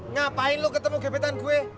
ngapain lo ketemu gepetan gue